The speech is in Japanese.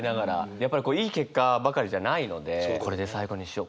やっぱりいい結果ばかりじゃないのでこれで最後にしよう